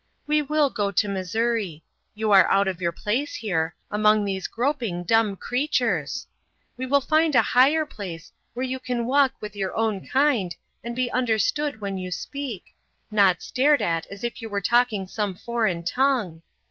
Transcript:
"We will go to Missouri. You are out of your place, here, among these groping dumb creatures. We will find a higher place, where you can walk with your own kind, and be understood when you speak not stared at as if you were talking some foreign tongue.